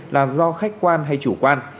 là do khách quan hay chủ quan